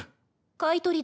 買い取りだと？